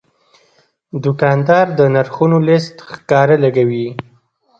دوکاندار د نرخونو لیست ښکاره لګوي.